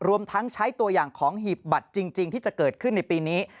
รวมทั้งใช้ตัวอย่างของหีบบัตรจริงที่จะเกิดขึ้นในปีนี้